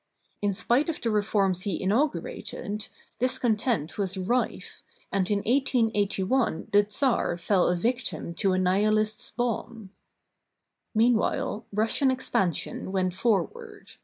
In spite of the reforms he in augurated, discontent was rife, and in 18S1 the czar fell a victim to a nihilist's bomb. Meanwhile Russian expansion went forward.